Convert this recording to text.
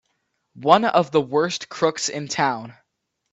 One of the worst crooks in town!